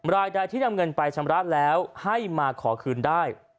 รายใดที่นำเงินไปชำระแล้วให้มาขอคืนได้